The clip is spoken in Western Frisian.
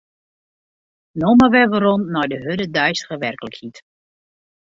No mar wer werom nei de hurde deistige werklikheid.